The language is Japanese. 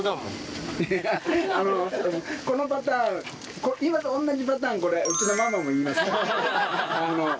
このパターン、今と同じパターン、これ、うちのママも言います。